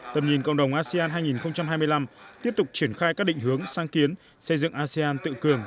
tầm nhìn cộng đồng asean hai nghìn hai mươi năm tiếp tục triển khai các định hướng sang kiến xây dựng asean tự cường